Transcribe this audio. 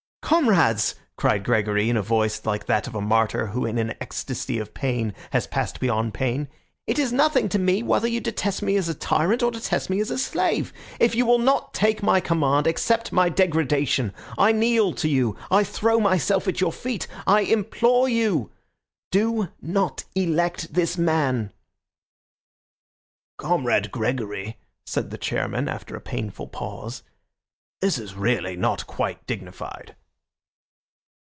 "Comrades," cried Gregory, in a voice like that of a martyr who in an ecstacy of pain has passed beyond pain, "it is nothing to me whether you detest me as a tyrant or detest me as a slave. If you will not take my command, accept my degradation. I kneel to you. I throw myself at your feet. I implore you. Do not elect this man." "Comrade Gregory," said the chairman after a painful pause, "this is really not quite dignified."